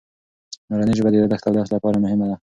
مورنۍ ژبه د یادښت او درس لپاره مهمه ده.